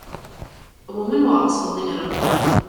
A woman walks holding an umbrella.